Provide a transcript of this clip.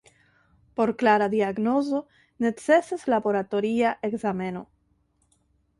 Por klara diagnozo necesas laboratoria ekzameno.